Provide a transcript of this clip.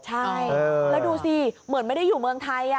ใช่แล้วดูสิเหมือนไม่ได้อยู่เมืองไทย